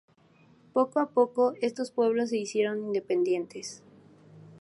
Poco a poco estos pueblos se hicieron independientes.